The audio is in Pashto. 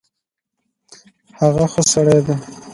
هغه ښۀ سړی ډی